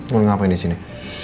mau ngapain disini